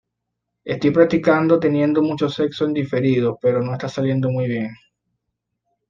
Estoy practicando teniendo mucho sexo en diferido, pero no está saliendo muy bien.